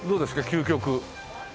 「究極」。